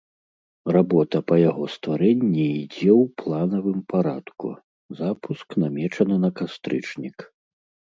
Работа па яго стварэнні ідзе ў планавым парадку, запуск намечаны на кастрычнік.